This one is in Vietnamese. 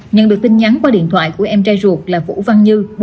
nhận được tin nhắn qua điện thoại của em trai ruột là vũ văn như